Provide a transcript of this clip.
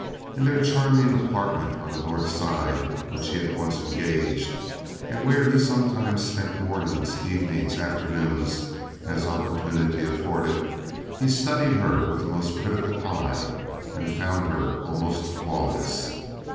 In their charming apartment on the North Side which he at once engaged, and where he sometimes spent mornings, evenings, afternoons, as opportunity afforded, he studied her with the most critical eye and found her almost flawless.